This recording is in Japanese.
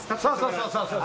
そうそうそう。